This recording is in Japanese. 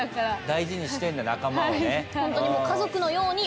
大事にしてんだ仲間をね。